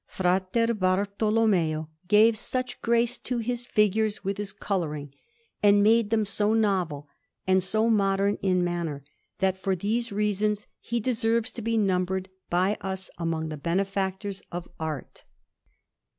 Fra Bartolommeo gave such grace to his figures with his colouring, and made them so novel and so modern in manner, that for these reasons he deserves to be numbered by us among the benefactors of art.